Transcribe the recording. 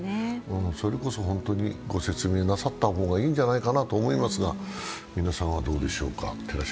それこそホントにご説明なさった方がいいんじゃないかなと思いますが、皆さんはどうでしょうか。